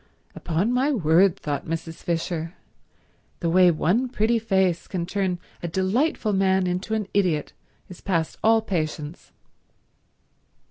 "Upon my word," thought Mrs. Fisher, "the way one pretty face can turn a delightful man into an idiot is past all patience."